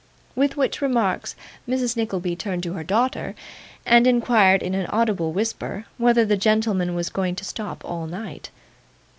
With which remarks, Mrs. Nickleby turned to her daughter, and inquired, in an audible whisper, whether the gentleman was going to stop all night.